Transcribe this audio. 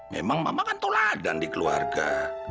memang mama kan toladan di keluarga